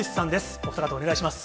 お二方、お願いします。